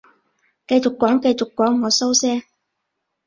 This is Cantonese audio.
繼續講繼續講，我收聲